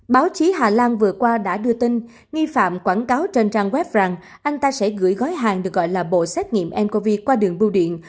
báo chí hà lan vừa qua đã đưa tin nghi phạm quảng cáo trên trang web rằng anh ta sẽ gửi gói hàng được gọi là bộ xét nghiệm ncov qua đường bưu điện